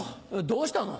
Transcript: どうしたの？